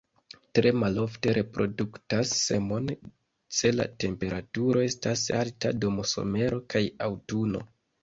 Tre malofte reproduktas semon se la temperaturo estas alta dum somero kaj aŭtuno.